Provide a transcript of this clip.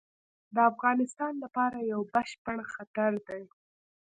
د افغانستان لپاره یو بشپړ خطر دی.